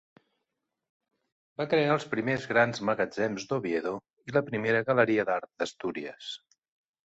Va crear els primers grans magatzems d'Oviedo i la primera galeria d'art d'Astúries.